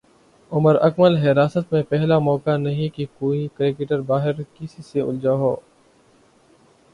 عمر اکمل حراست میںپہلا موقع نہیں کہ کوئی کرکٹر باہر کسی سے الجھا ہو